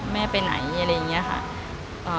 แม่ไปไหนอะไรอย่างนี้ค่ะ